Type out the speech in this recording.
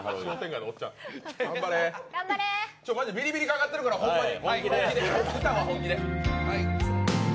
ビリビリかかってるから、ほんまに！